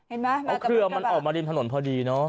เอาเครือมันออกมาดินถนนพอดีเนาะ